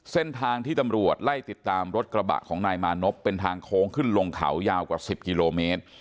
เส้นทางที่ตำรวจไล่ติดตามรถกระบะของนายมานพเป็นทางโค้งขึ้นลงเขายาวกว่า๑๐กิโลเมตร